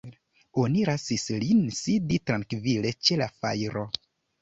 Oni lasis lin sidi trankvile ĉe la fajro.